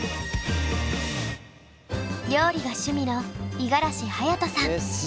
料理が趣味の五十嵐隼人さん。